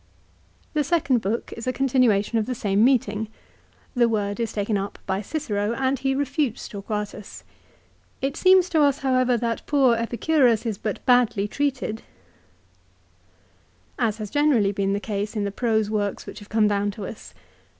The second book is a continuation of the same meeting. The word is taken up by Cicero, and he refutes Torquatus. It seems to us, however, that poor Epicurus is but badly treated, as has been generally the case in the prose works which have come down to us.